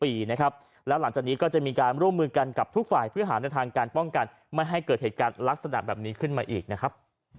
แล้วหลังจากนี้ก็จะมีการร่วมมือกันกับทุกฝ่ายเพื่อหาในทางการป้องกันไม่ให้เกิดเหตุการณ์ลักษณะแบบนี้ขึ้นมาอีกนะครับ